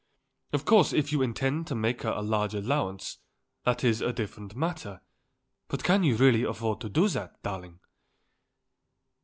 Of course if you intend to make her a large allowance, that is a different matter; but can you really afford to do that, darling?"